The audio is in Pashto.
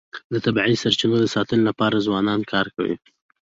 د طبیعي سرچینو د ساتنې لپاره ځوانان کار کوي.